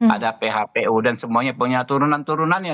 ada phpu dan semuanya punya turunan turunannya